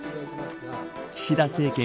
岸田政権